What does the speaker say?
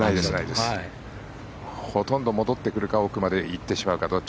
ほとんど戻ってくるか奥まで行ってしまうか